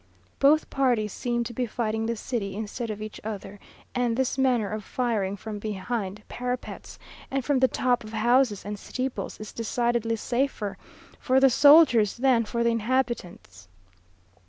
Both parties seem to be fighting the city instead of each other; and this manner of firing from behind parapets, and from the tops of houses and steeples, is decidedly safer for the soldiers than for the inhabitants.